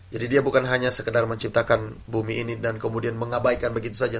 dia bukan hanya sekedar menciptakan bumi ini dan kemudian mengabaikan begitu saja